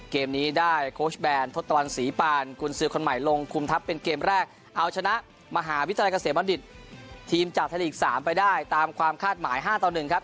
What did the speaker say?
เกมนี้ได้โค้ชแบนทศตวรรษีปานกุญสือคนใหม่ลงคุมทัพเป็นเกมแรกเอาชนะมหาวิทยาลัยเกษมบัณฑิตทีมจากไทยลีก๓ไปได้ตามความคาดหมาย๕ต่อ๑ครับ